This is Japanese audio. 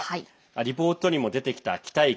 リポートにも出てきた北駅。